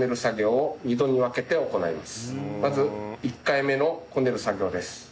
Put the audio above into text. まず１回目のこねる作業です。